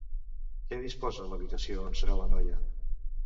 Què disposa l'habitació on serà la noia?